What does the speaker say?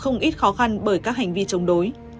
không ít khó khăn bởi các hành vi chống đối